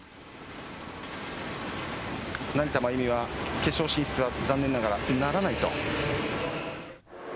成田真由美は決勝進出は残念ながらならないと。